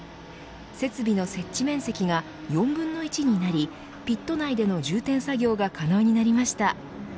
設備の設置面積が４分の１になりピット内での充填作業が可能になりました。